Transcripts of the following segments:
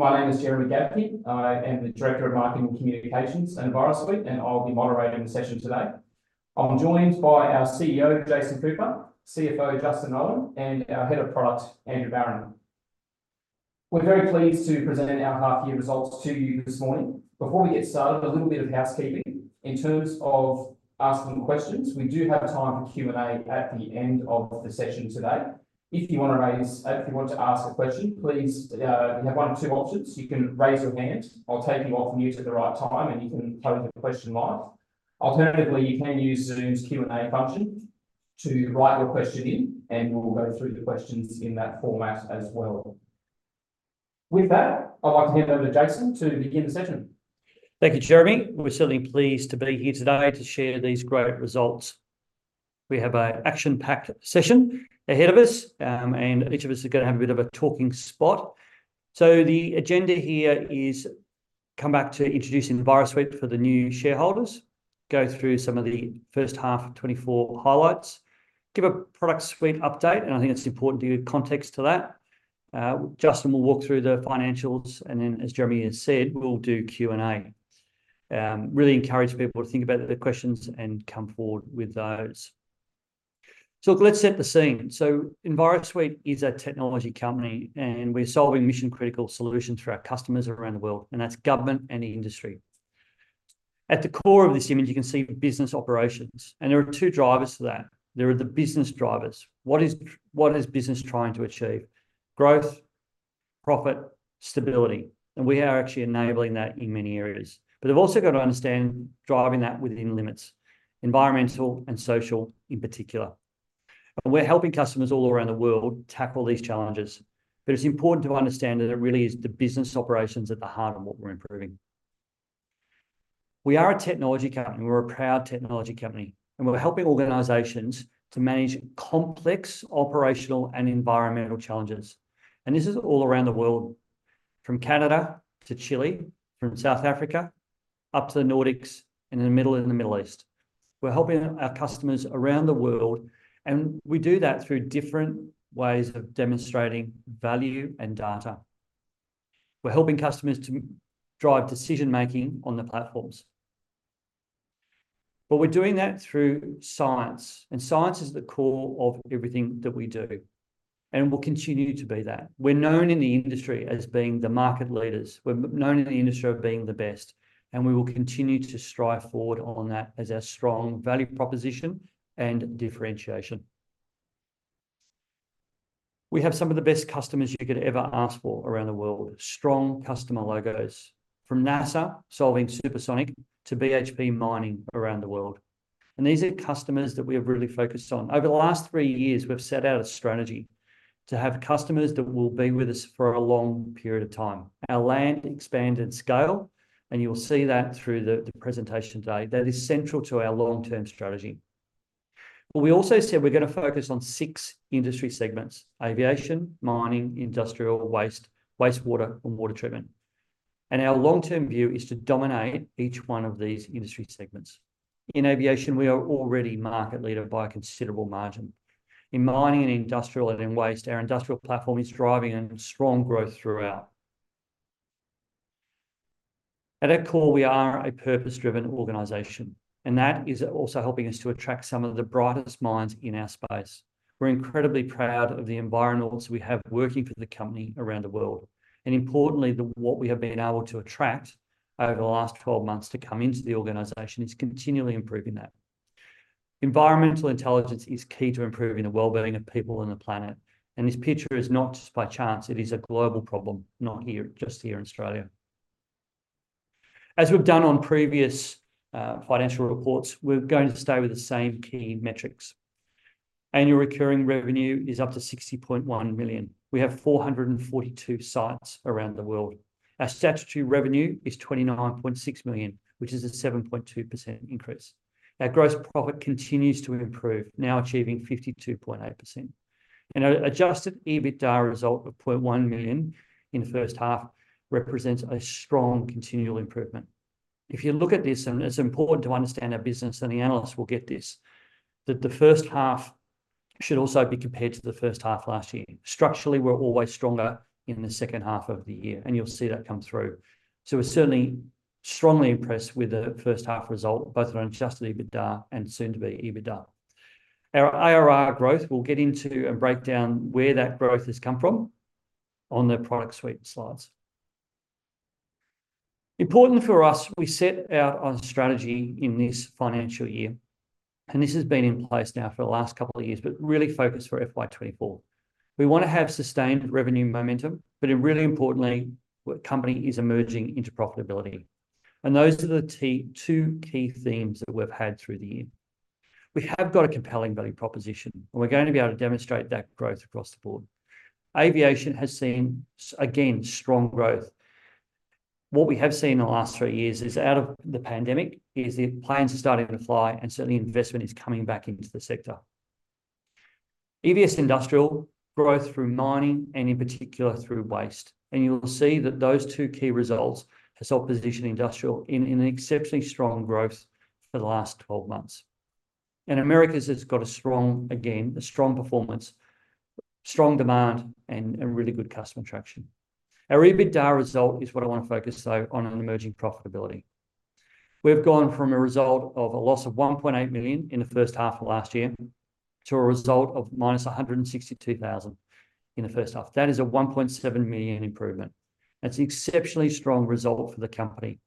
My name is Jeremy Gaedtke. I am the Director of Marketing and Communications at Envirosuite, and I'll be moderating the session today. I'm joined by our CEO, Jason Cooper, CFO, Justin Owen, and our Head of Product, Andrew Barron. We're very pleased to present our half-year results to you this morning. Before we get started, a little bit of housekeeping: in terms of asking questions, we do have time for Q&A at the end of the session today. If you want to ask a question, you have one of two options. You can raise your hand. I'll take you off mute at the right time, and you can pose a question live. Alternatively, you can use Zoom's Q&A function to write your question in, and we'll go through the questions in that format as well. With that, I'd like to hand over to Jason to begin the session. Thank you, Jeremy. We're certainly pleased to be here today to share these great results. We have an action-packed session ahead of us, and each of us is going to have a bit of a talking spot. So the agenda here is: come back to introducing Envirosuite for the new shareholders, go through some of the first half 2024 highlights, give a product suite update, and I think it's important to give context to that. Justin will walk through the financials, and then, as Jeremy has said, we'll do Q&A. Really encourage people to think about the questions and come forward with those. So look, let's set the scene. So Envirosuite is a technology company, and we're solving mission-critical solutions for our customers around the world, and that's government and the industry. At the core of this image, you can see business operations, and there are two drivers to that. There are the business drivers. What is business trying to achieve? Growth, profit, stability. We are actually enabling that in many areas. But they've also got to understand driving that within limits, environmental and social in particular. We're helping customers all around the world tackle these challenges. It's important to understand that it really is the business operations at the heart of what we're improving. We are a technology company. We're a proud technology company. We're helping organizations to manage complex operational and environmental challenges. This is all around the world, from Canada to Chile, from South Africa up to the Nordics and in the middle of the Middle East. We're helping our customers around the world, and we do that through different ways of demonstrating value and data. We're helping customers to drive decision-making on the platforms. But we're doing that through science, and science is at the core of everything that we do, and we'll continue to be that. We're known in the industry as being the market leaders. We're known in the industry as being the best, and we will continue to strive forward on that as our strong value proposition and differentiation. We have some of the best customers you could ever ask for around the world, strong customer logos, from NASA solving supersonic to BHP mining around the world. And these are customers that we have really focused on. Over the last three years, we've set out a strategy to have customers that will be with us for a long period of time. Our land expand and scale, and you'll see that through the presentation today, that is central to our long-term strategy. But we also said we're going to focus on six industry segments: aviation, mining, industrial waste, wastewater, and water treatment. And our long-term view is to dominate each one of these industry segments. In aviation, we are already market leader by a considerable margin. In mining and industrial and in waste, our industrial platform is driving strong growth throughout. At our core, we are a purpose-driven organization, and that is also helping us to attract some of the brightest minds in our space. We're incredibly proud of the environments we have working for the company around the world. And importantly, what we have been able to attract over the last 12 months to come into the organization is continually improving that. Environmental intelligence is key to improving the well-being of people and the planet, and this picture is not just by chance. It is a global problem, not just here in Australia. As we've done on previous financial reports, we're going to stay with the same key metrics. Annual recurring revenue is up to 60.1 million. We have 442 sites around the world. Our statutory revenue is 29.6 million, which is a 7.2% increase. Our gross profit continues to improve, now achieving 52.8%. And our adjusted EBITDA result of 0.1 million in the first half represents a strong continual improvement. If you look at this (and it's important to understand our business, and the analysts will get this) that the first half should also be compared to the first half last year. Structurally, we're always stronger in the second half of the year, and you'll see that come through. So we're certainly strongly impressed with the first half result, both on adjusted EBITDA and soon-to-be EBITDA. Our ARR growth we'll get into and break down where that growth has come from on the product suite slides—important for us: we set out our strategy in this financial year, and this has been in place now for the last couple of years, but really focused for FY24. We want to have sustained revenue momentum, but really importantly, the company is emerging into profitability. And those are the two key themes that we've had through the year. We have got a compelling value proposition, and we're going to be able to demonstrate that growth across the board. Aviation has seen, again, strong growth. What we have seen in the last three years is, out of the pandemic, the planes are starting to fly, and certainly investment is coming back into the sector. EVS Industrial growth through mining and, in particular, through waste. You'll see that those two key results have helped position industrial in an exceptionally strong growth for the last 12 months. Americas has got a strong, again, a strong performance, strong demand, and really good customer traction. Our EBITDA result is what I want to focus, though, on: emerging profitability. We've gone from a result of a loss of 1.8 million in the first half of last year to a result of minus 162,000 in the first half. That is a 1.7 million improvement. That's an exceptionally strong result for the company,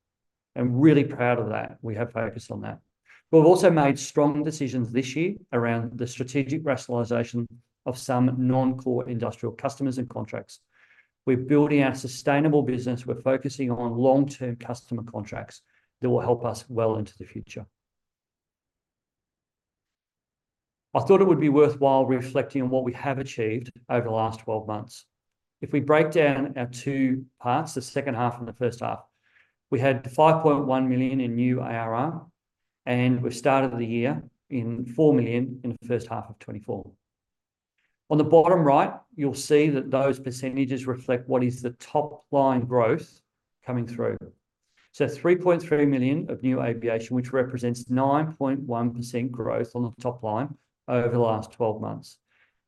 and we're really proud of that. We have focused on that. We've also made strong decisions this year around the strategic rationalization of some non-core industrial customers and contracts. We're building our sustainable business. We're focusing on long-term customer contracts that will help us well into the future. I thought it would be worthwhile reflecting on what we have achieved over the last 12 months. If we break down our two parts, the second half and the first half, we had 5.1 million in new ARR, and we started the year in 4 million in the first half of 2024. On the bottom right, you'll see that those percentages reflect what is the top-line growth coming through. So 3.3 million of new aviation, which represents 9.1% growth on the top line over the last 12 months.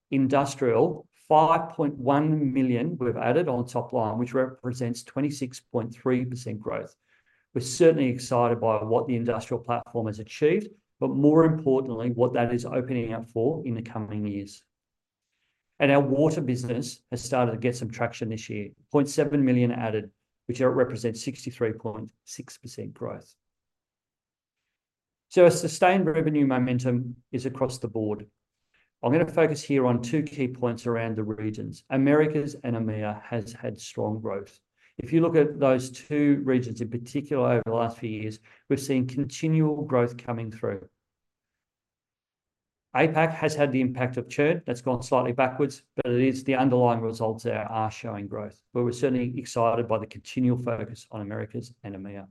Industrial: 5.1 million we've added on the top line, which represents 26.3% growth. We're certainly excited by what the industrial platform has achieved, but more importantly, what that is opening up for in the coming years. And our water business has started to get some traction this year: 0.7 million added, which represents 63.6% growth. So our sustained revenue momentum is across the board. I'm going to focus here on two key points around the regions. Americas and EMEA have had strong growth. If you look at those two regions in particular over the last few years, we've seen continual growth coming through. APAC has had the impact of churn. That's gone slightly backwards, but it is the underlying results there are showing growth. But we're certainly excited by the continual focus on Americas and EMEA.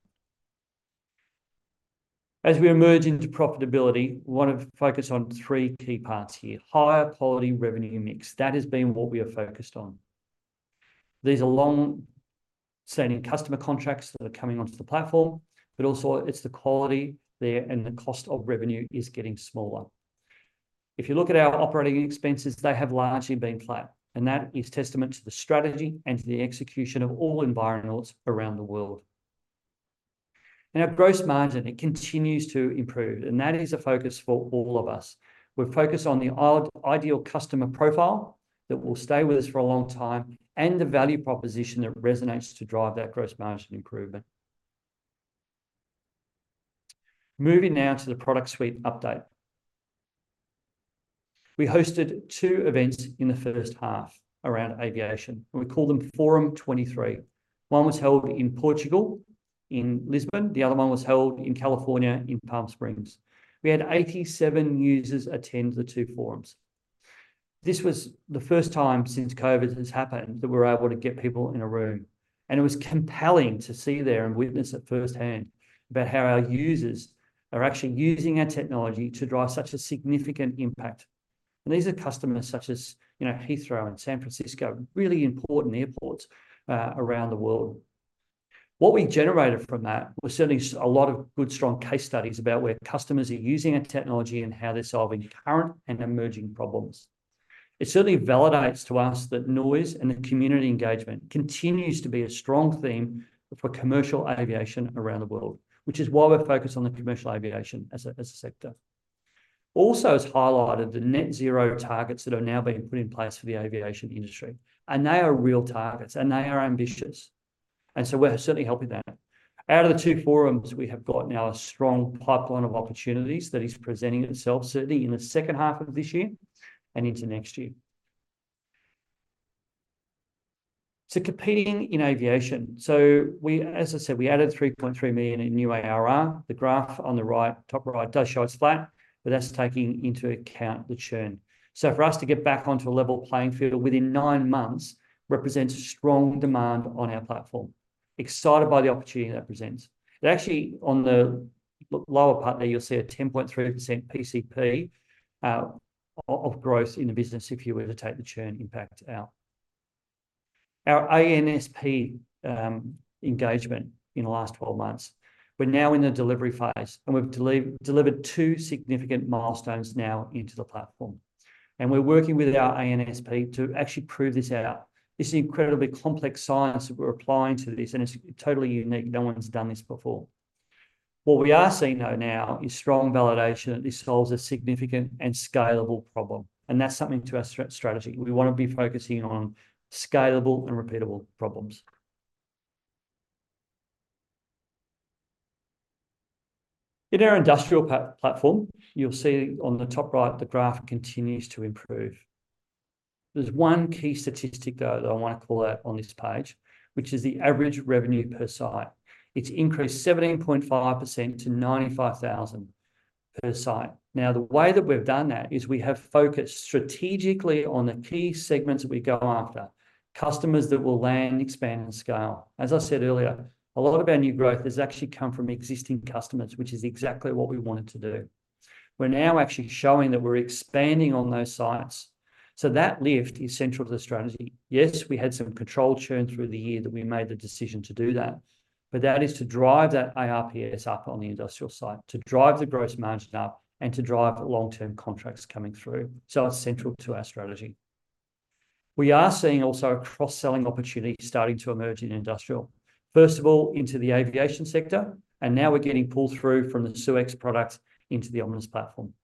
As we emerge into profitability, I want to focus on three key parts here: higher quality revenue mix. That has been what we have focused on. These are long-standing customer contracts that are coming onto the platform, but also it's the quality there, and the cost of revenue is getting smaller. If you look at our operating expenses, they have largely been flat, and that is testament to the strategy and to the execution of all environments around the world. Our gross margin continues to improve, and that is a focus for all of us. We focus on the ideal customer profile that will stay with us for a long time and the value proposition that resonates to drive that gross margin improvement. Moving now to the product suite update. We hosted two events in the first half around aviation, and we called them Forum 23. One was held in Portugal in Lisbon. The other one was held in California in Palm Springs. We had 87 users attend the two forums. This was the first time since COVID has happened that we were able to get people in a room, and it was compelling to see there and witness at firsthand about how our users are actually using our technology to drive such a significant impact. And these are customers such as Heathrow and San Francisco, really important airports around the world. What we generated from that were certainly a lot of good, strong case studies about where customers are using our technology and how they're solving current and emerging problems. It certainly validates to us that noise and the community engagement continues to be a strong theme for commercial aviation around the world, which is why we're focused on the commercial aviation as a sector. Also has highlighted the net-zero targets that are now being put in place for the aviation industry, and they are real targets, and they are ambitious. And so we're certainly helping that. Out of the two forums, we have got now a strong pipeline of opportunities that is presenting itself, certainly in the second half of this year and into next year. So competing in aviation so we, as I said, we added 3.3 million in new ARR. The graph on the right top right does show it's flat, but that's taking into account the churn. So for us to get back onto a level playing field within nine months represents strong demand on our platform. Excited by the opportunity that presents. It actually, on the lower part there, you'll see a 10.3% PCP of growth in the business if you were to take the churn impact out. Our ANSP engagement in the last 12 months, we're now in the delivery phase, and we've delivered two significant milestones now into the platform. And we're working with our ANSP to actually prove this out. This is incredibly complex science that we're applying to this, and it's totally unique. No one's done this before. What we are seeing though now is strong validation that this solves a significant and scalable problem, and that's something to our strategy. We want to be focusing on scalable and repeatable problems. In our industrial platform, you'll see on the top right the graph continues to improve. There's one key statistic, though, that I want to call out on this page, which is the average revenue per site. It's increased 17.5% to 95,000 per site. Now, the way that we've done that is we have focused strategically on the key segments that we go after: customers that will land, expand, and scale. As I said earlier, a lot of our new growth has actually come from existing customers, which is exactly what we wanted to do. We're now actually showing that we're expanding on those sites. So that lift is central to the strategy. Yes, we had some controlled churn through the year that we made the decision to do that, but that is to drive that ARPS up on the industrial site, to drive the gross margin up, and to drive long-term contracts coming through. So it's central to our strategy. We are seeing also a cross-selling opportunity starting to emerge in industrial. First of all, into the aviation sector, and now we're getting pull-through from the SeweX product into the Omnis platform.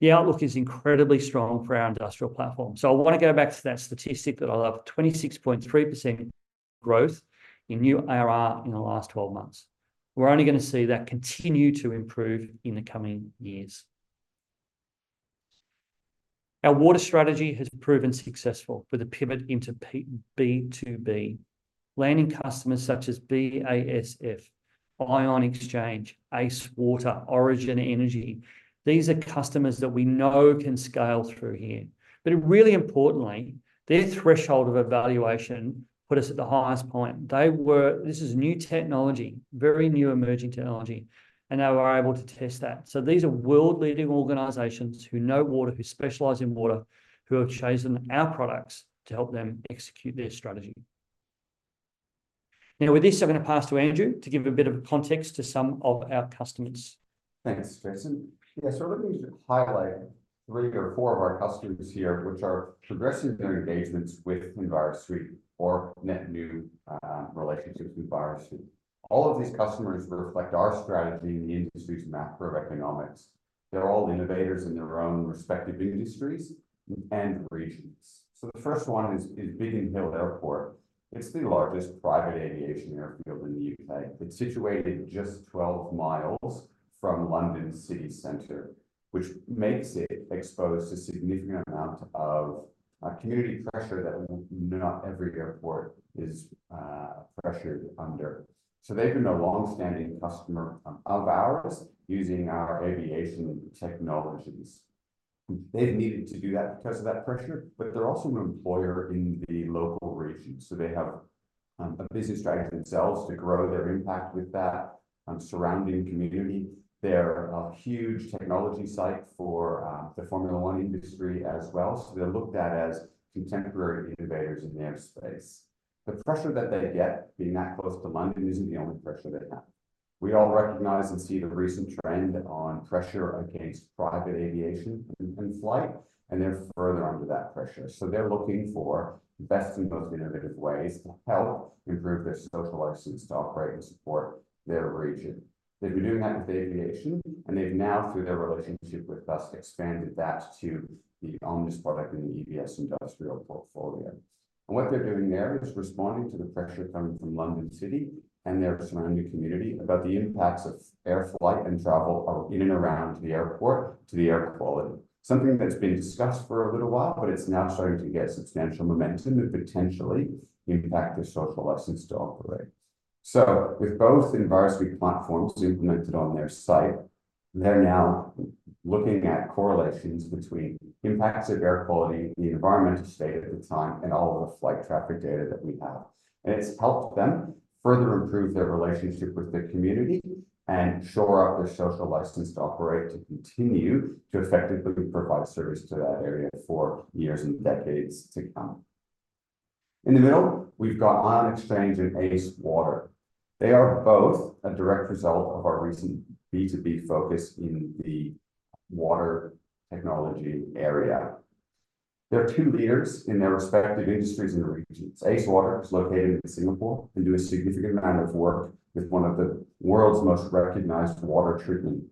The outlook is incredibly strong for our industrial platform. So I want to go back to that statistic that I love: 26.3% growth in new ARR in the last 12 months. We're only going to see that continue to improve in the coming years. Our water strategy has proven successful with a pivot into B2B. Landing customers such as BASF, Ion Exchange, Ace Water, Origin Energy, these are customers that we know can scale through here. But really importantly, their threshold of evaluation put us at the highest point. They were, this is new technology, very new emerging technology, and they were able to test that. So these are world-leading organizations who know water, who specialize in water, who have chosen our products to help them execute their strategy. Now, with this, I'm going to pass to Andrew to give a bit of context to some of our customers. Thanks, Jason. Yeah, so we're looking to highlight three or four of our customers here, which are progressing their engagements with Envirosuite, or net new relationships with Envirosuite. All of these customers reflect our strategy in the industry's macroeconomics. They're all innovators in their own respective industries and regions. So the first one is Biggin Hill Airport. It's the largest private aviation airfield in the U.K. It's situated just 12 mi from London's city center, which makes it exposed to a significant amount of community pressure that not every airport is pressured under. So they've been a longstanding customer of ours using our aviation technologies. They've needed to do that because of that pressure, but they're also an employer in the local region, so they have a business strategy themselves to grow their impact with that surrounding community. They're a huge technology site for the Formula 1 industry as well, so they're looked at as contemporary innovators in the airspace. The pressure that they get, being that close to London, isn't the only pressure they have. We all recognize and see the recent trend on pressure against private aviation and flight, and they're further under that pressure. So they're looking for best and most innovative ways to help improve their social license to operate and support their region. They've been doing that with aviation, and they've now, through their relationship with us, expanded that to the Omnis product and the EVS Industrial portfolio. And what they're doing there is responding to the pressure coming from London City and their surrounding community about the impacts of air flight and travel in and around the airport to the air quality. Something that's been discussed for a little while, but it's now starting to get substantial momentum and potentially impact their social license to operate. So with both Envirosuite platforms implemented on their site, they're now looking at correlations between impacts of air quality, the environmental state at the time, and all of the flight traffic data that we have. And it's helped them further improve their relationship with the community and shore up their social license to operate to continue to effectively provide service to that area for years and decades to come. In the middle, we've got Ion Exchange and Ace Water. They are both a direct result of our recent B2B focus in the water technology area. They're two leaders in their respective industries and regions. Ace Water is located in Singapore and does a significant amount of work with one of the world's most recognized water treatment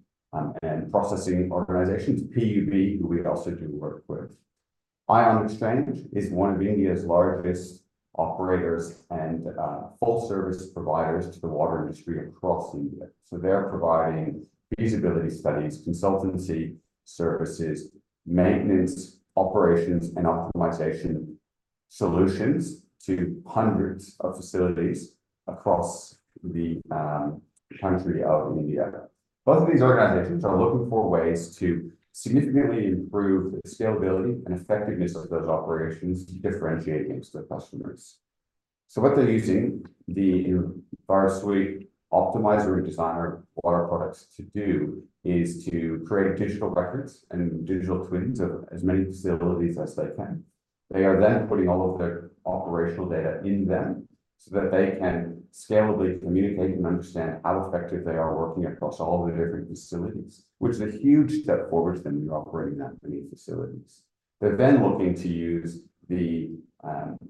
and processing organizations, PUB, who we also do work with. Ion Exchange is one of India's largest operators and full-service providers to the water industry across India. So they're providing feasibility studies, consultancy services, maintenance, operations, and optimization solutions to hundreds of facilities across the country of India. Both of these organizations are looking for ways to significantly improve the scalability and effectiveness of those operations to differentiate against their customers. So what they're using the Envirosuite optimizer and designer of water products to do is to create digital records and digital twins of as many facilities as they can. They are then putting all of their operational data in them so that they can scalably communicate and understand how effective they are working across all of the different facilities, which is a huge step forward to them when you're operating that many facilities. They're then looking to use the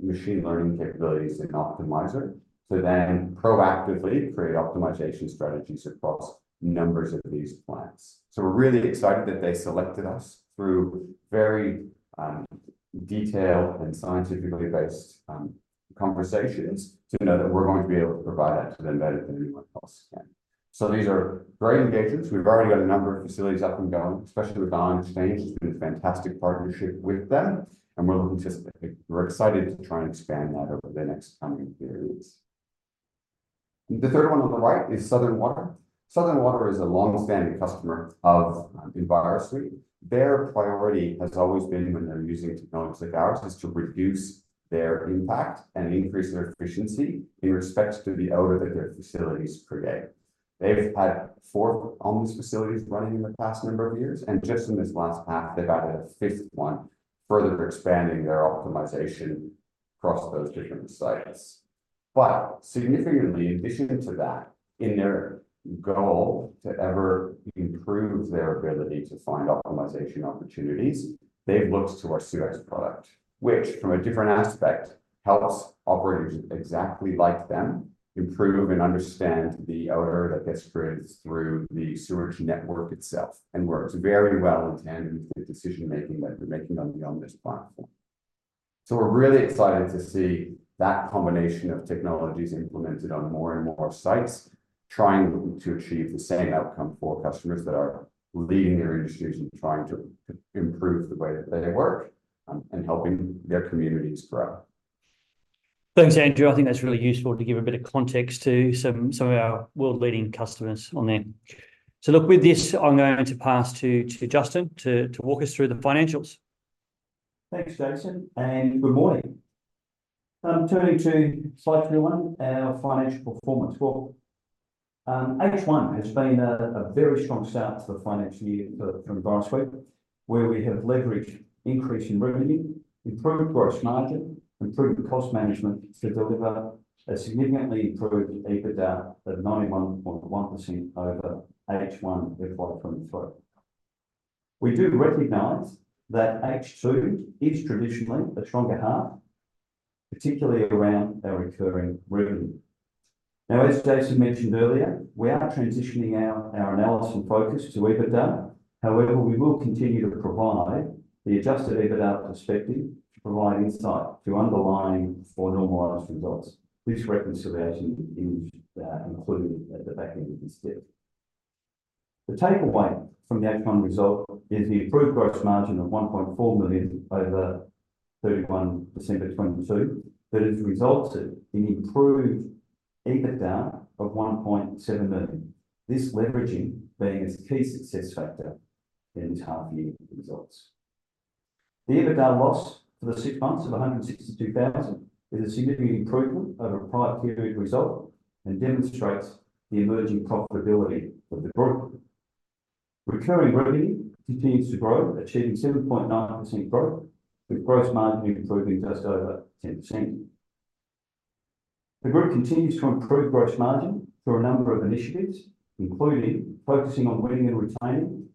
machine learning capabilities in Optimiser to then proactively create optimization strategies across numbers of these plants. So we're really excited that they selected us through very detailed and scientifically based conversations to know that we're going to be able to provide that to them better than anyone else can. So these are great engagements. We've already got a number of facilities up and going, especially with Ion Exchange. It's been a fantastic partnership with them, and we're excited to try and expand that over the next coming periods. The third one on the right is Southern Water. Southern Water is a longstanding customer of Envirosuite. Their priority has always been, when they're using technologies like ours, is to reduce their impact and increase their efficiency in respect to the odor that their facilities create. They've had four Omnis facilities running in the past number of years, and just in this last half, they've added a fifth one, further expanding their optimization across those different sites. But significantly, in addition to that, in their goal to ever improve their ability to find optimization opportunities, they've looked to our SeweX product, which, from a different aspect, helps operators exactly like them improve and understand the odor that gets created through the sewage network itself and works very well in tandem with the decision-making that they're making on the Omnis platform. We're really excited to see that combination of technologies implemented on more and more sites, trying to achieve the same outcome for customers that are leading their industries and trying to improve the way that they work and helping their communities grow. Thanks, Andrew. I think that's really useful to give a bit of context to some of our world-leading customers on there. So look, with this, I'm going to pass to Justin to walk us through the financials. Thanks, Jason, and good morning. Turning to slide 31, our financial performance. Well, H1 has been a very strong start to the financial year for Envirosuite, where we have leveraged increase in revenue, improved gross margin, improved cost management to deliver a significantly improved EBITDA of 91.1% over H1 FY23. We do recognize that H2 is traditionally a stronger half, particularly around our recurring revenue. Now, as Jason mentioned earlier, we are transitioning our analysis and focus to EBITDA. However, we will continue to provide the adjusted EBITDA perspective to provide insight to underlying for normalized results. This reconciliation is included at the back end of this deck. The takeaway from the H1 result is the improved gross margin of 1.4 million over 31 December 2022 that has resulted in improved EBITDA of 1.7 million, this leveraging being a key success factor in this half-year results. The EBITDA loss for the six months of 162,000 is a significant improvement over a prior period result and demonstrates the emerging profitability of the group. Recurring revenue continues to grow, achieving 7.9% growth, with gross margin improving just over 10%. The group continues to improve gross margin through a number of initiatives, including focusing on winning and retaining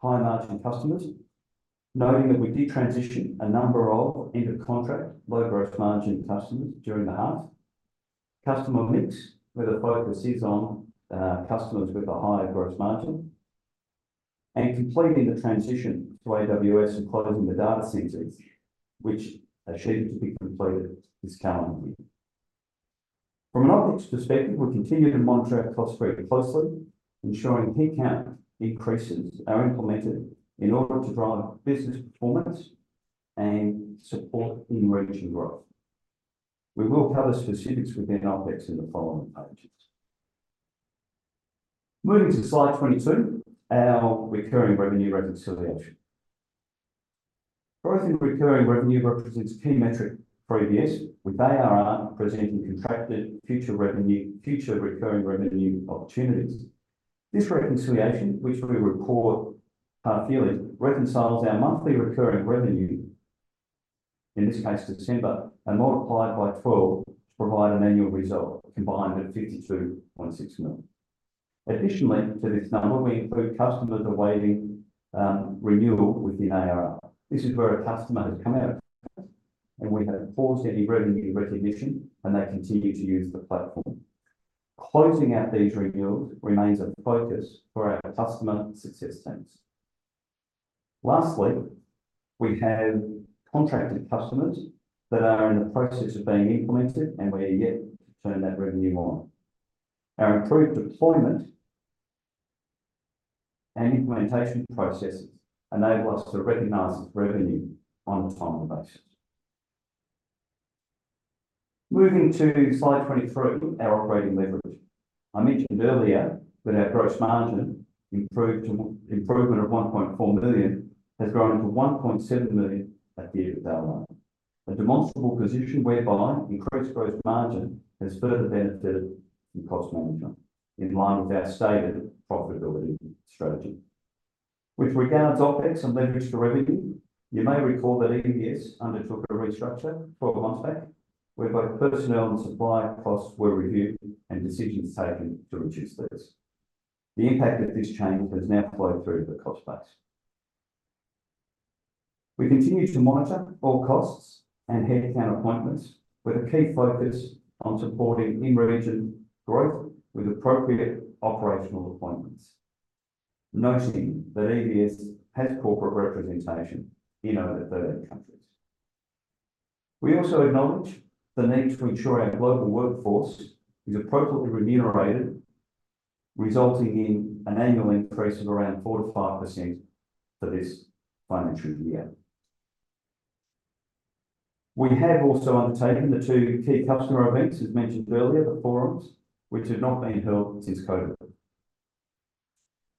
high-margin customers, noting that we detransition a number of end-of-contract low-gross margin customers during the half, customer mix where the focus is on customers with a higher gross margin, and completing the transition to AWS and closing the data centers, which are scheduled to be completed this calendar year. From an OpEx perspective, we continue to monitor our costs very closely, ensuring headcount increases are implemented in order to drive business performance and support in-region growth. We will cover specifics within OpEx in the following pages. Moving to slide 22, our recurring revenue reconciliation. Growth in recurring revenue represents a key metric for EVS, with ARR presenting contracted future recurring revenue opportunities. This reconciliation, which we report half-yearly, reconciles our monthly recurring revenue, in this case, December, and multiplied by 12 to provide an annual result combined at 52.6 million. Additionally to this number, we include customers awaiting renewal within ARR. This is where a customer has come out of tax and we have paused any revenue recognition, and they continue to use the platform. Closing out these renewals remains a focus for our customer success teams. Lastly, we have contracted customers that are in the process of being implemented, and we are yet to turn that revenue on. Our improved deployment and implementation processes enable us to recognize this revenue on a timely basis. Moving to slide 23, our operating leverage. I mentioned earlier that our gross margin improvement of 1.4 million has grown to 1.7 million at the end of our line. A demonstrable position whereby increased gross margin has further benefited from cost management in line with our stated profitability strategy. With regards to OpEx and leverage to revenue, you may recall that EVS undertook a restructure 12 months back, where both personnel and supply costs were reviewed and decisions taken to reduce those. The impact of this change has now flowed through to the cost base. We continue to monitor all costs and headcount appointments with a key focus on supporting in-region growth with appropriate operational appointments, noting that EVS has corporate representation in over 30 countries. We also acknowledge the need to ensure our global workforce is appropriately remunerated, resulting in an annual increase of around 4%-5% for this financial year. We have also undertaken the two key customer events, as mentioned earlier, the forums, which have not been held since COVID.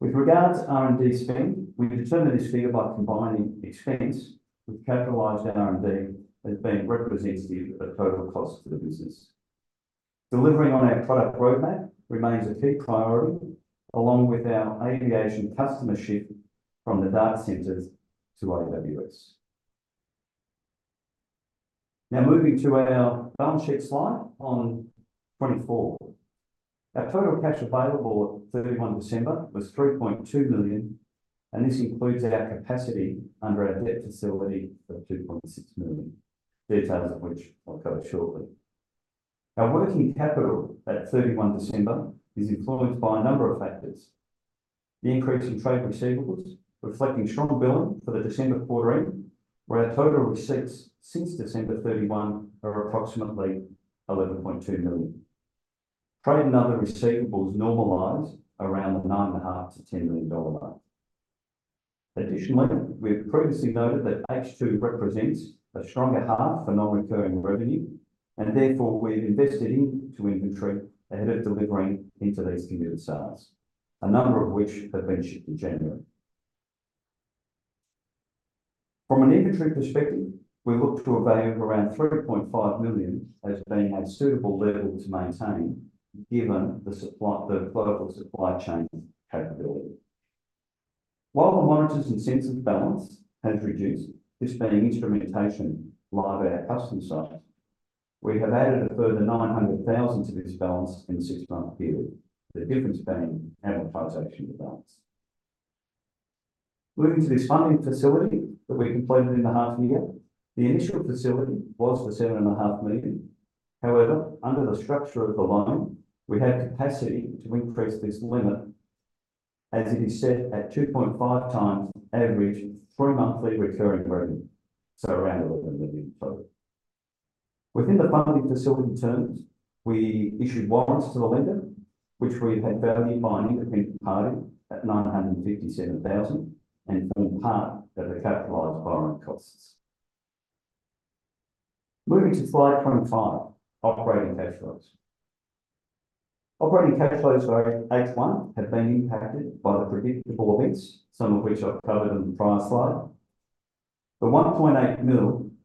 With regards to R&D spend, we determine this figure by combining expense with capitalized R&D as being representative of total costs to the business. Delivering on our product roadmap remains a key priority, along with our aviation customer shift from the data centres to AWS. Now, moving to our balance sheet slide on 24. Our total cash available at 31 December was 3.2 million, and this includes our capacity under our debt facility of 2.6 million, details of which I'll cover shortly. Our working capital at 31 December is influenced by a number of factors. The increase in trade receivables, reflecting strong billing for the December quarter end, where our total receipts since December 31 are approximately 11.2 million. Trade and other receivables normalized around the 9.5 million-10 million dollars line. Additionally, we've previously noted that H2 represents a stronger half for non-recurring revenue, and therefore we've invested into inventory ahead of delivering into these customer sales, a number of which have been shipped in January. From an inventory perspective, we look to evaluate around 3.5 million as being a suitable level to maintain, given the global supply chain capability. While the monitors and sensors balance has reduced, this being instrumentation live at our customer sites, we have added a further 900,000 to this balance in the six-month period, the difference being additions to balance. Moving to this funding facility that we completed in the half-year. The initial facility was for 7.5 million. However, under the structure of the loan, we had capacity to increase this limit as it is set at 2.5 times average three-monthly recurring revenue, so around 11 million total. Within the funding facility terms, we issued warrants to the lender, which we had valued by an independent party at 957,000 and formed part of the capitalized borrowing costs. Moving to slide 25, operating cash flows. Operating cash flows for H1 have been impacted by the predictable events, some of which I've covered on the prior slide. The 1.8 million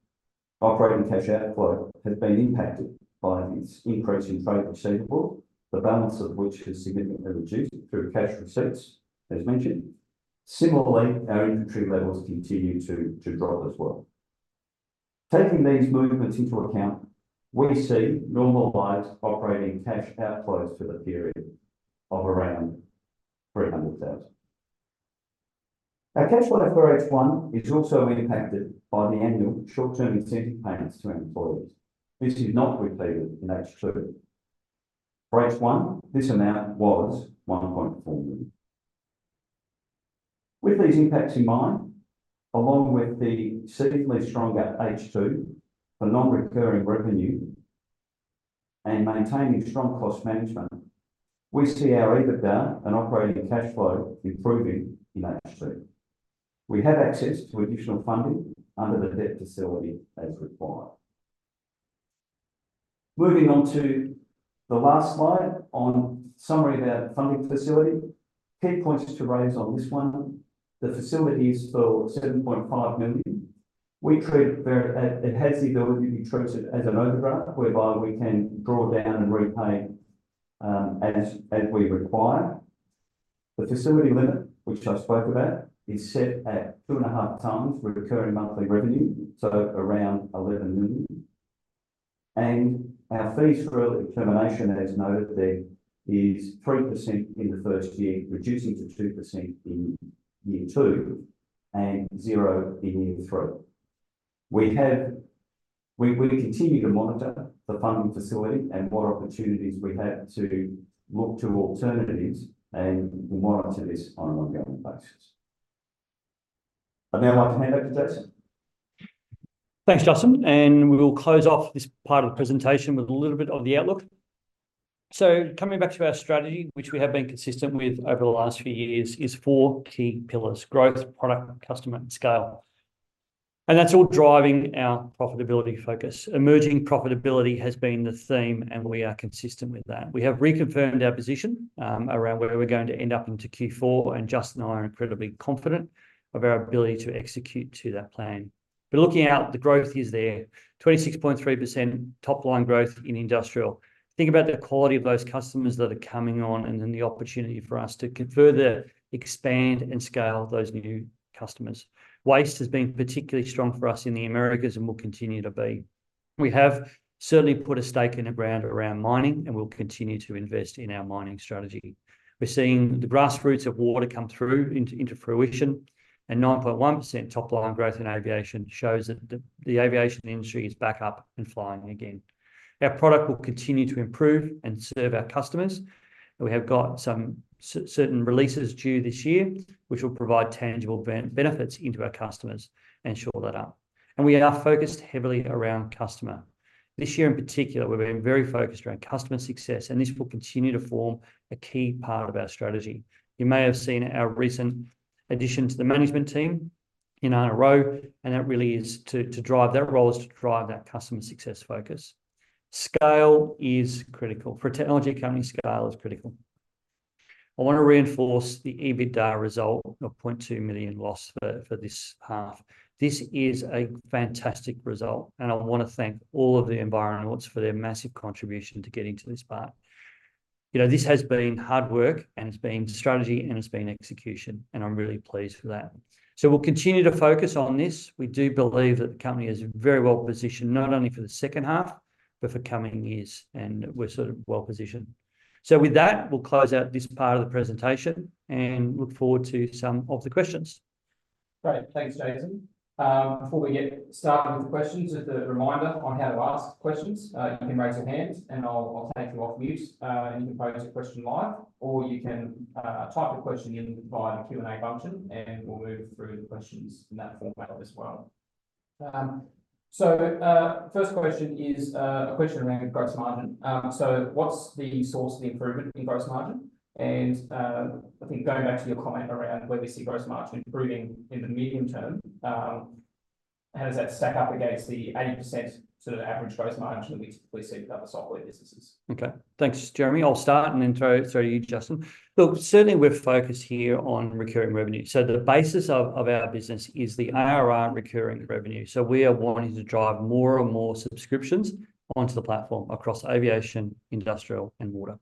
operating cash outflow has been impacted by this increase in trade receivables, the balance of which has significantly reduced through cash receipts, as mentioned. Similarly, our inventory levels continue to drop as well. Taking these movements into account, we see normalized operating cash outflows for the period of around 300,000. Our cash flow for H1 is also impacted by the annual short-term incentive payments to employees. This is not repeated in H2. For H1, this amount was 1.4 million. With these impacts in mind, along with the significantly stronger H2 for non-recurring revenue and maintaining strong cost management, we see our EBITDA and operating cash flow improving in H2. We have access to additional funding under the debt facility as required. Moving on to the last slide on summary of our funding facility. Key points to raise on this one. The facility is for 7.5 million. It has the ability to be treated as an overdraft, whereby we can draw down and repay as we require. The facility limit, which I spoke about, is set at 2.5 times recurring monthly revenue, so around 11 million. Our fees for early termination, as noted there, is 3% in the first year, reducing to 2% in year two and zero in year three. We continue to monitor the funding facility and what opportunities we have to look to alternatives, and we'll monitor this on an ongoing basis. I'd now like to hand over to Jason. Thanks, Justin. We will close off this part of the presentation with a little bit of the outlook. Coming back to our strategy, which we have been consistent with over the last few years, is four key pillars: growth, product, customer, and scale. That's all driving our profitability focus. Emerging profitability has been the theme, and we are consistent with that. We have reconfirmed our position around where we're going to end up into Q4, and Justin and I are incredibly confident of our ability to execute to that plan. Looking out, the growth is there. 26.3% top-line growth in industrial. Think about the quality of those customers that are coming on and then the opportunity for us to further expand and scale those new customers. Waste has been particularly strong for us in the Americas and will continue to be. We have certainly put a stake in the ground around mining, and we'll continue to invest in our mining strategy. We're seeing the grassroots of water come through into fruition, and 9.1% top-line growth in aviation shows that the aviation industry is back up and flying again. Our product will continue to improve and serve our customers. We have got some certain releases due this year, which will provide tangible benefits into our customers and shore that up. And we are focused heavily around customer. This year in particular, we've been very focused around customer success, and this will continue to form a key part of our strategy. You may have seen our recent addition to the management team in Ana Rau, and that really is to drive that role is to drive that customer success focus. Scale is critical. For a technology company, scale is critical. I want to reinforce the EBITDA result of 0.2 million loss for this half. This is a fantastic result, and I want to thank all of the Envirosuite for their massive contribution to getting to this part. This has been hard work, and it's been strategy, and it's been execution, and I'm really pleased with that. So we'll continue to focus on this. We do believe that the company is very well positioned not only for the second half, but for coming years, and we're sort of well positioned. So with that, we'll close out this part of the presentation and look forward to some of the questions. Great. Thanks, Jason. Before we get started with the questions, just a reminder on how to ask questions. You can raise your hand, and I'll take you off mute. You can pose a question live, or you can type your question in via the Q&A function, and we'll move through the questions in that format as well. First question is a question around gross margin. So what's the source of the improvement in gross margin? And I think going back to your comment around where we see gross margin improving in the medium term, how does that stack up against the 80% sort of average gross margin that we typically see for other software businesses? Okay. Thanks, Jeremy. I'll start and then throw it through to you, Justin. Look, certainly we're focused here on recurring revenue. The basis of our business is the ARR recurring revenue. We are wanting to drive more and more subscriptions onto the platform across aviation, industrial, and water.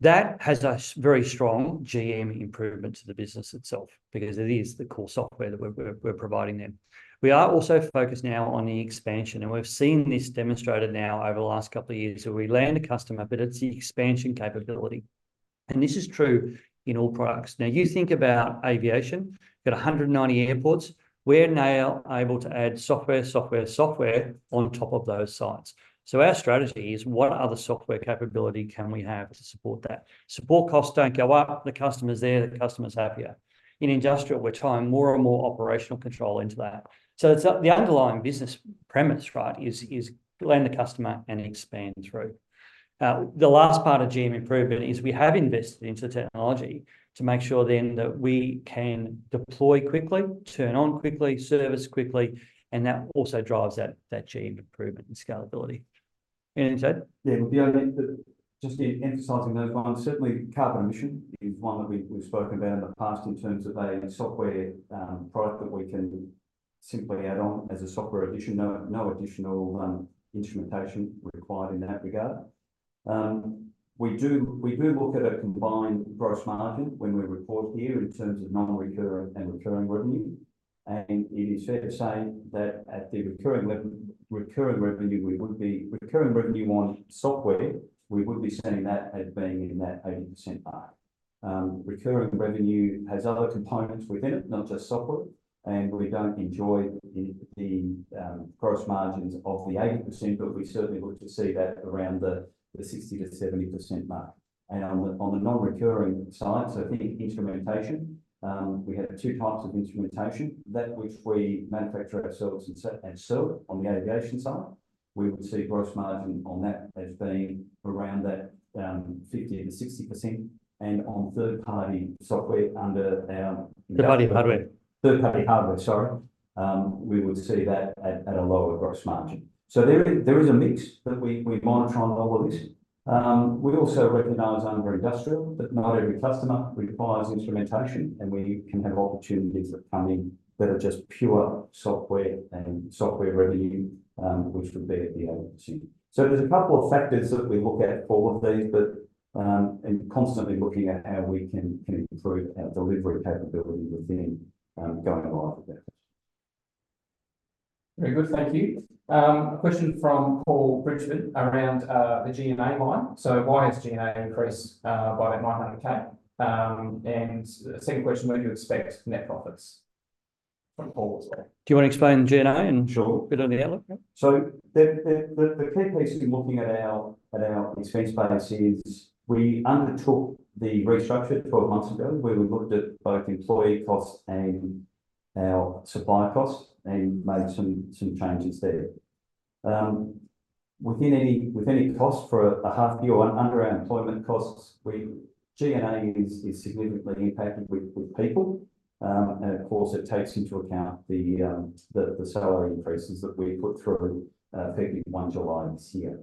That has a very strong GM improvement to the business itself because it is the core software that we're providing them. We are also focused now on the expansion, and we've seen this demonstrated now over the last couple of years where we land a customer, but it's the expansion capability. This is true in all products. Now, you think about aviation. You've got 190 airports. We're now able to add software, software, software on top of those sites. Our strategy is, what other software capability can we have to support that? Support costs don't go up. The customer's there. The customer's happier. In industrial, we're tying more and more operational control into that. So the underlying business premise, right, is land the customer and expand through. The last part of GM improvement is we have invested into the technology to make sure then that we can deploy quickly, turn on quickly, service quickly, and that also drives that GM improvement and scalability. Anything to add? Yeah. Just emphasizing those ones. Certainly, carbon emission is one that we've spoken about in the past in terms of a software product that we can simply add on as a software addition. No additional instrumentation required in that regard. We do look at a combined gross margin when we report here in terms of non-recurring and recurring revenue. And it is fair to say that at the recurring revenue, we would be recurring revenue on software, we would be seeing that as being in that 80% mark. Recurring revenue has other components within it, not just software, and we don't enjoy the gross margins of the 80%, but we certainly look to see that around the 60%-70% mark. And on the non-recurring side, so I think instrumentation, we have two types of instrumentation. That which we manufacture ourselves and sell on the aviation side, we would see gross margin on that as being around that 50%-60%. And on third-party software under our. Third-party hardware. Third-party hardware, sorry. We would see that at a lower gross margin. So there is a mix that we monitor on all of this. We also recognize under industrial that not every customer requires instrumentation, and we can have opportunities that come in that are just pure software and software revenue, which would be at the 80%. So there's a couple of factors that we look at for all of these, but constantly looking at how we can improve our delivery capability within going live with that. Very good. Thank you. A question from Paul Bridgford around the G&A line. So why has G&A increased by 900,000? And second question, where do you expect net profits? From Paul as well. Do you want to explain G&A and get on the outlook? Sure. So the key piece we're looking at at our expense base is we undertook the restructure 12 months ago where we looked at both employee costs and our supply costs and made some changes there. With any cost for a half-year or under our employment costs, G&A is significantly impacted with people. And of course, it takes into account the salary increases that we put through effectively 1 July this year.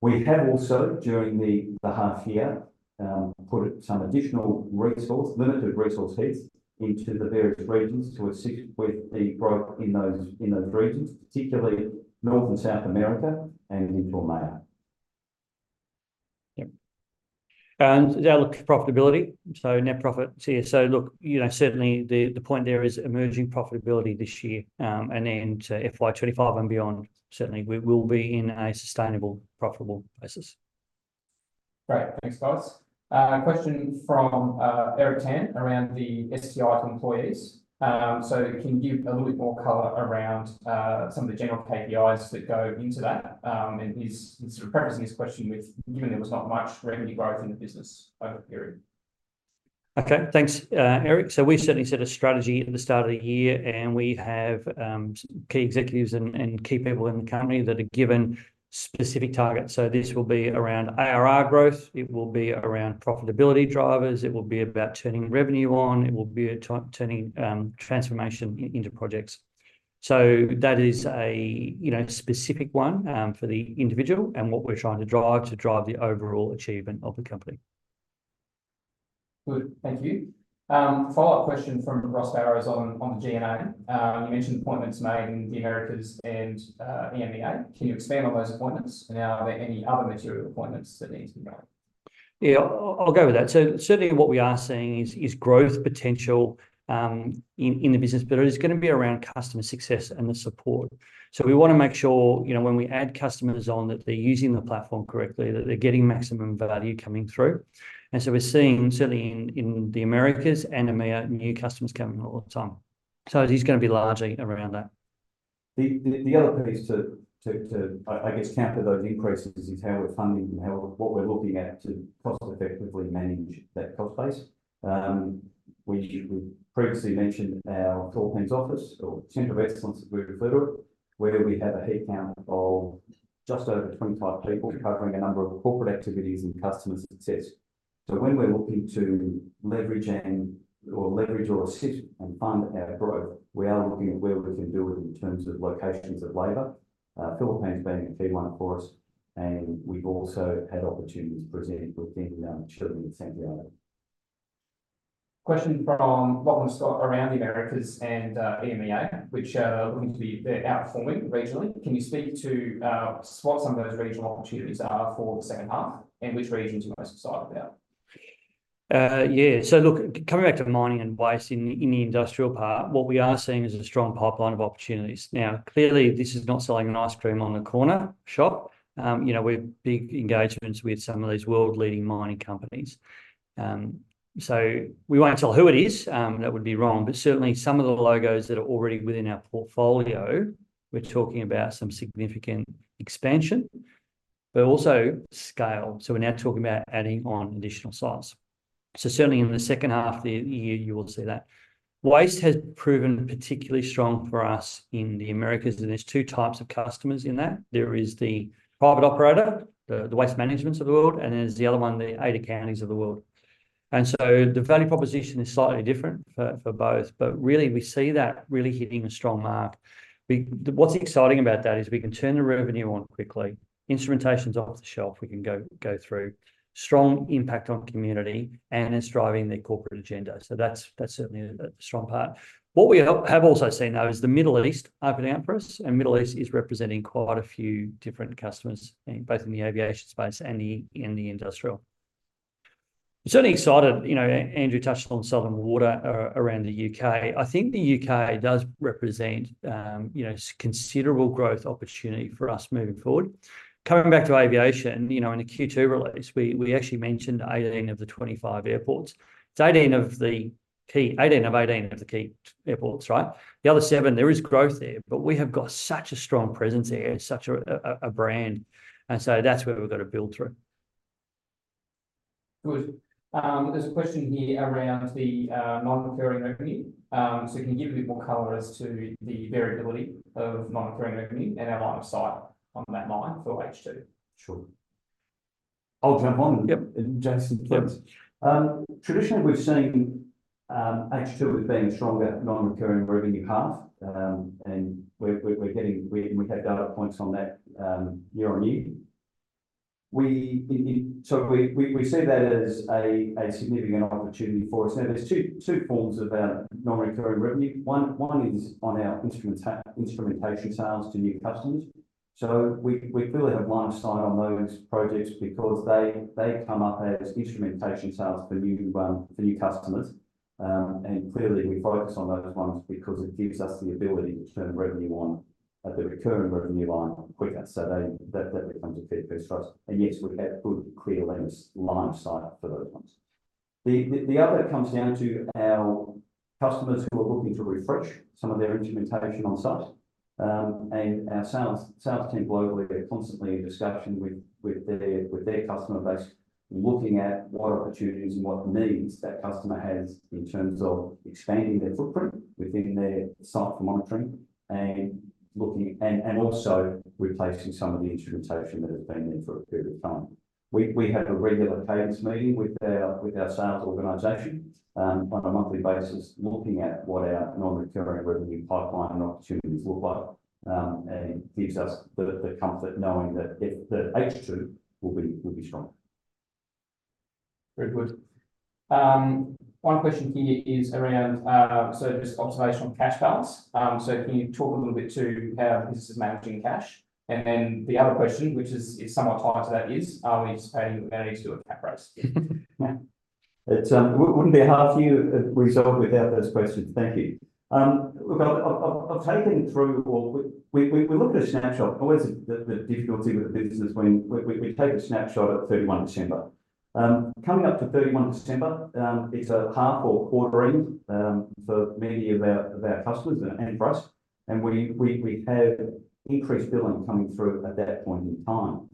We have also, during the half-year, put some additional limited resource heads into the various regions with the growth in those regions, particularly North and South America and into EMEA. Yep. And outlook for profitability. So net profit here. So look, certainly the point there is emerging profitability this year. And then to FY25 and beyond, certainly we will be in a sustainable, profitable basis. Great. Thanks, guys. Question from Eric Tan around the STI to employees. So can you give a little bit more color around some of the general KPIs that go into that? And he's sort of prefacing his question with given there was not much revenue growth in the business over the period. Okay. Thanks, Eric. So we certainly set a strategy at the start of the year, and we have key executives and key people in the company that are given specific targets. So this will be around ARR growth. It will be around profitability drivers. It will be about turning revenue on. It will be turning transformation into projects. So that is a specific one for the individual and what we're trying to drive to drive the overall achievement of the company. Good. Thank you. Follow-up question from Ross Barrows on the G&A. You mentioned appointments made in the Americas and EMEA. Can you expand on those appointments? And are there any other material appointments that need to be made? Yeah. I'll go with that. Certainly what we are seeing is growth potential in the business, but it is going to be around customer success and the support. We want to make sure when we add customers on that they're using the platform correctly, that they're getting maximum value coming through. We're seeing, certainly in the Americas and EMEA, new customers coming all the time. It is going to be largely around that. The other piece to, I guess, counter those increases is how we're funding and what we're looking at to cost-effectively manage that cost base. We previously mentioned our call center office or center of excellence as we refer to it, where we have a headcount of just over 25 people covering a number of corporate activities and customer success. So when we're looking to leverage or assist and fund our growth, we are looking at where we can do it in terms of locations of labor. Philippines being a key one for us. And we've also had opportunities present within Chile and Santiago. Question from Robin Scott around the Americas and EMEA, which are looking to be outperforming regionally. Can you speak to what some of those regional opportunities are for the second half and which regions you're most excited about? Yeah. So look, coming back to mining and waste in the industrial part, what we are seeing is a strong pipeline of opportunities. Now, clearly, this is not selling an ice cream on the corner shop. We have big engagements with some of these world-leading mining companies. So we won't tell who it is. That would be wrong. But certainly, some of the logos that are already within our portfolio, we're talking about some significant expansion, but also scale. So we're now talking about adding on additional sites. So certainly, in the second half of the year, you will see that. Waste has proven particularly strong for us in the Americas. And there's two types of customers in that. There is the private operator, the Waste Management of the world, and then there's the other one, the 80 counties of the world. And so the value proposition is slightly different for both. But really, we see that really hitting a strong mark. What's exciting about that is we can turn the revenue on quickly. Instrumentation's off the shelf. We can go through. Strong impact on community, and it's driving the corporate agenda. So that's certainly a strong part. What we have also seen, though, is the Middle East opening up for us. And Middle East is representing quite a few different customers, both in the aviation space and the industrial. Certainly excited. Andrew touched on Southern Water around the UK. I think the UK does represent considerable growth opportunity for us moving forward. Coming back to aviation, in the Q2 release, we actually mentioned 18 of the 25 airports. It's 18 of the key 18 of 18 of the key airports, right? The other seven, there is growth there, but we have got such a strong presence there, such a brand. And so that's where we've got to build through. Good. There's a question here around the non-recurring revenue. So can you give a bit more color as to the variability of non-recurring revenue and our line of sight on that line for H2? Sure. I'll jump on. Jason, please. Traditionally, we've seen H2 as being a stronger non-recurring revenue half. We have data points on that year-on-year. We see that as a significant opportunity for us. Now, there's two forms of our non-recurring revenue. One is on our instrumentation sales to new customers. We clearly have line of sight on those projects because they come up as instrumentation sales for new customers. Clearly, we focus on those ones because it gives us the ability to turn revenue on at the recurring revenue line quicker. That becomes a key piece for us. Yes, we have good, clear line of sight for those ones. The other comes down to our customers who are looking to refresh some of their instrumentation on site. Our sales team globally are constantly in discussion with their customer base, looking at what opportunities and what needs that customer has in terms of expanding their footprint within their site for monitoring and also replacing some of the instrumentation that has been there for a period of time. We have a regular cadence meeting with our sales organization on a monthly basis, looking at what our non-recurring revenue pipeline and opportunities look like and gives us the comfort knowing that H2 will be strong. Very good. One question here is around so just observation on cash balance. So can you talk a little bit to how business is managing cash? And then the other question, which is somewhat tied to that, is are we anticipating that it needs to do a cap rise? It wouldn't be a half-year results without those questions. Thank you. Look, I've taken through or we look at a snapshot. Always the difficulty with the business when we take a snapshot at 31 December. Coming up to 31 December, it's a half or quarter end for many of our customers and for us. And we have increased billing coming through at that point in time.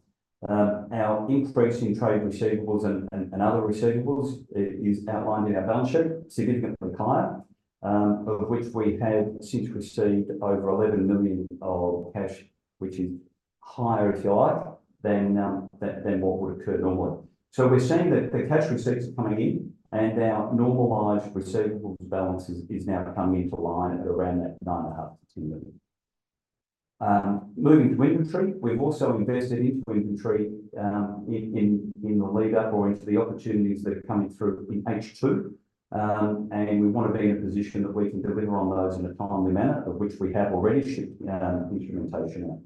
Our increase in trade receivables and other receivables is outlined in our balance sheet, significantly higher, of which we have since received over 11 million of cash, which is higher, if you like, than what would occur normally. So we're seeing that the cash receipts are coming in, and our normalized receivables balance is now coming into line at around that 9.5 million-10 million. Moving to inventory, we've also invested into inventory in the lead-up or into the opportunities that are coming through in H2. We want to be in a position that we can deliver on those in a timely manner, of which we have already shipped instrumentation out.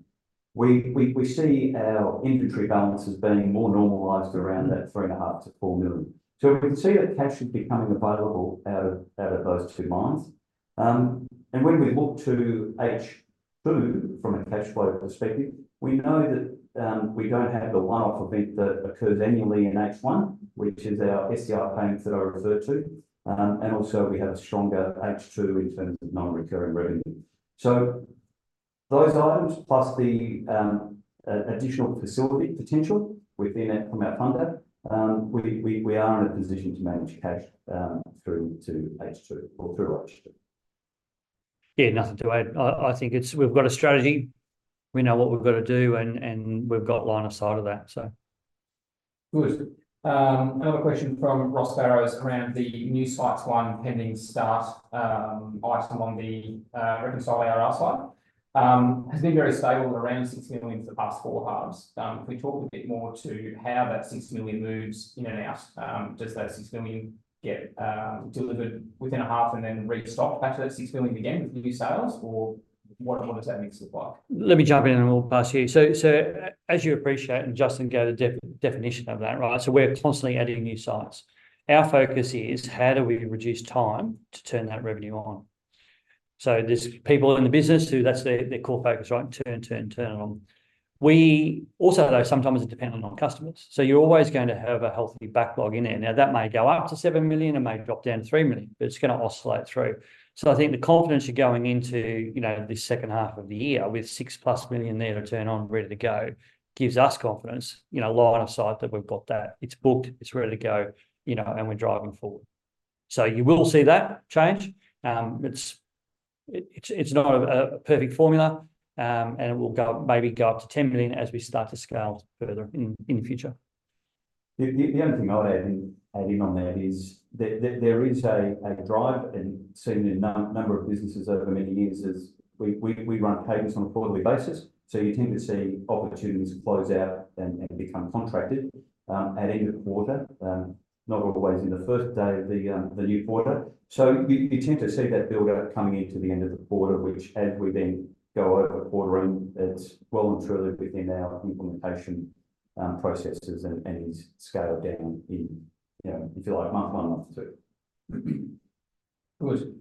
We see our inventory balances being more normalised around that 3.5 million-4 million. We can see that cash is becoming available out of those two mines. When we look to H2 from a cash flow perspective, we know that we don't have the one-off event that occurs annually in H1, which is our STI payments that I referred to. Also, we have a stronger H2 in terms of non-recurring revenue. Those items, plus the additional facility potential from our funder, we are in a position to manage cash through H2 or through H2. Yeah. Nothing to add. I think we've got a strategy. We know what we've got to do, and we've got line of sight of that, so. Good. Another question from Ross Barrows around the new sites, one pending start item on the reconciled ARR side. It has been very stable at around 6 million for the past four halves. If we talk a bit more to how that 6 million moves in and out, does that 6 million get delivered within a half and then restocked back to that 6 million again with new sales, or what does that mix look like? Let me jump in, and we'll pass you. So as you appreciate and Justin gave the definition of that, right? So we're constantly adding new sites. Our focus is how do we reduce time to turn that revenue on? So there's people in the business who that's their core focus, right? Turn, turn, turn it on. We also, though, sometimes are dependent on customers. So you're always going to have a healthy backlog in there. Now, that may go up to 7 million. It may drop down to 3 million. But it's going to oscillate through. So I think the confidence you're going into this second half of the year with 6+ million there to turn on, ready to go, gives us confidence, line of sight that we've got that. It's booked. It's ready to go, and we're driving forward. So you will see that change. It's not a perfect formula, and it will maybe go up to 10 million as we start to scale further in the future. The only thing I would add in on that is there is a drive, and certainly a number of businesses over many years is we run cadence on a quarterly basis. So you tend to see opportunities close out and become contracted at end of quarter, not always in the first day of the new quarter. So you tend to see that build-up coming into the end of the quarter, which as we then go over quarter end, it's well and truly within our implementation processes and is scaled down in, if you like, month one, month two. Good.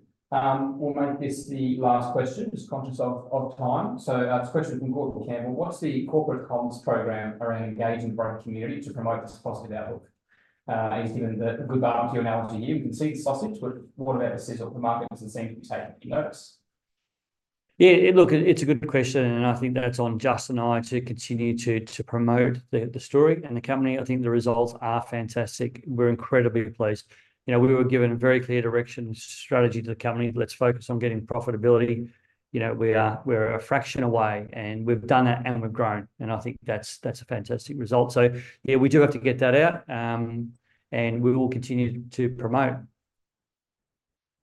We'll make this the last question just conscious of time. So it's a question from Gordon Campbell. What's the corporate comms programme around engaging the broader community to promote this positive outlook? He's given a good barbecue analogy here. We can see the sausage, but what about the sizzle? The market doesn't seem to be taking any notice. Yeah. Look, it's a good question, and I think that's on Justin and I to continue to promote the story and the company. I think the results are fantastic. We're incredibly pleased. We were given a very clear direction strategy to the company. Let's focus on getting profitability. We're a fraction away, and we've done it, and we've grown. And I think that's a fantastic result. So yeah, we do have to get that out, and we will continue to promote.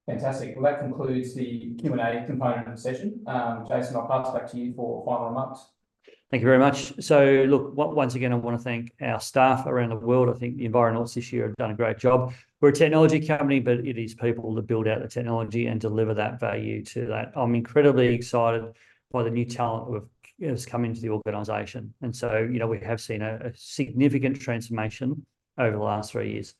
Fantastic. Well, that concludes the Q&A component of the session. Jason, I'll pass back to you for final remarks. Thank you very much. So look, once again, I want to thank our staff around the world. I think the environmentalists this year have done a great job. We're a technology company, but it is people that build out the technology and deliver that value to that. I'm incredibly excited by the new talent that has come into the organization. And so we have seen a significant transformation over the last three years.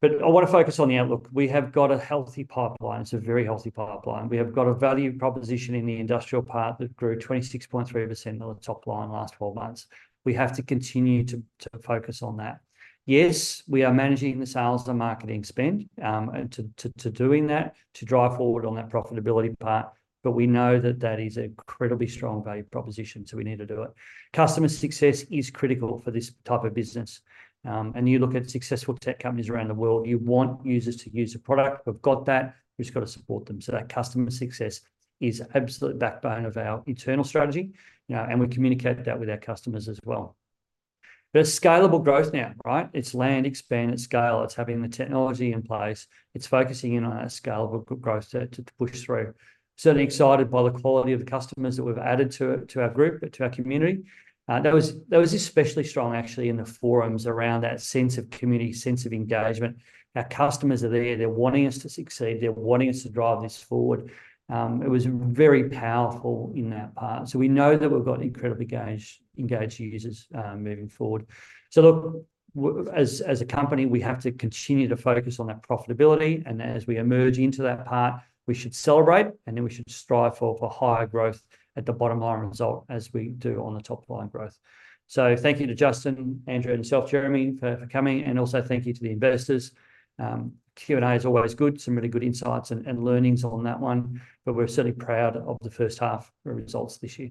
But I want to focus on the outlook. We have got a healthy pipeline. It's a very healthy pipeline. We have got a value proposition in the industrial part that grew 26.3% on the top line last 12 months. We have to continue to focus on that. Yes, we are managing the sales and marketing spend and to doing that, to drive forward on that profitability part. But we know that that is an incredibly strong value proposition, so we need to do it. Customer success is critical for this type of business. You look at successful tech companies around the world, you want users to use the product. We've got that. We've just got to support them. That customer success is absolute backbone of our internal strategy. We communicate that with our customers as well. There's scalable growth now, right? It's land, expand, it's scale. It's having the technology in place. It's focusing in on our scalable growth to push through. Certainly excited by the quality of the customers that we've added to our group, to our community. That was especially strong, actually, in the forums around that sense of community, sense of engagement. Our customers are there. They're wanting us to succeed. They're wanting us to drive this forward. It was very powerful in that part. So we know that we've got incredibly engaged users moving forward. So look, as a company, we have to continue to focus on that profitability. And as we emerge into that part, we should celebrate, and then we should strive for higher growth at the bottom line result as we do on the top line growth. So thank you to Justin, Andrew, myself, Jeremy, for coming. And also thank you to the investors. Q&A is always good. Some really good insights and learnings on that one. But we're certainly proud of the first half results this year.